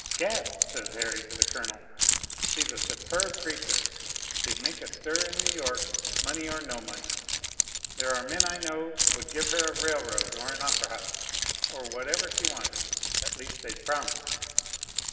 "Gad," says Harry to the Colonel, "she's a superb creature, she'd make a stir in New York, money or no money. There are men I know would give her a railroad or an opera house, or whatever she wanted at least they'd promise."